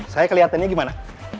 saya kelihatannya gimana